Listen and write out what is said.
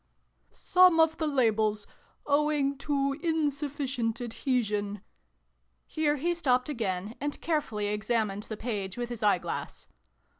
" Some of the labels owing to insufficient adhesion Here he stopped again, and carefully examined the page with his eyeglass.